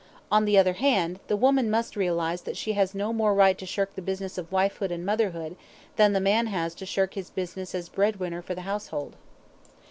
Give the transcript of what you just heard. On the other hand, the woman must realize that she has no more right to shirk the business of wifehood and motherhood than the man has to shirk his business as breadwinner for the household.